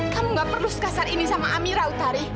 kamu gak perlu sekasar ini sama amira utari